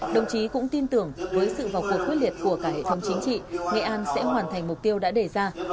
đồng chí cũng tin tưởng với sự vào cuộc quyết liệt của cả hệ thống chính trị nghệ an sẽ hoàn thành mục tiêu đã đề ra